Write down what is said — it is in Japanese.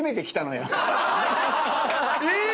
えっ！？